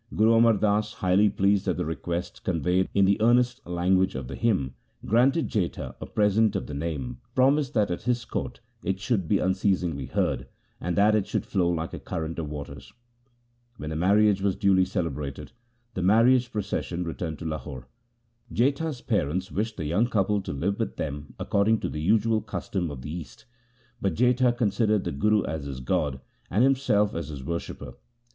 Guru Amar Das, highly pleased at the request conveyed in the earnest language of the hymn, 92 THE SIKH RELIGION granted Jetha a present of the Name, promised that at his court it should be unceasingly heard, and that it should flow like a current of waters. When the marriage was duly celebrated, the marriage procession returned to Lahore. Jetha's parents wished the young couple to live with them according to the usual custom of the East, but Jetha considered the Guru as his god, and himself as his worshipper.